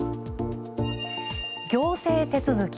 行政手続。